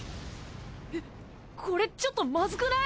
えこれちょっとまずくない？